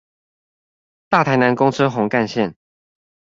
大台南公車紅幹線